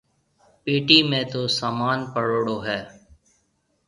پيٽِي ۾ تو سامان ڀروڙو هيَ۔